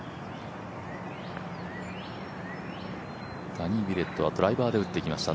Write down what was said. ダニー・ウィレットはドライバーで打ってきました。